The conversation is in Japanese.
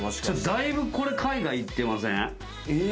だいぶ海外行ってません？